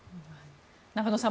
中野さん